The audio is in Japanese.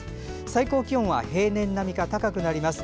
最高気温は平年並みか高くなります。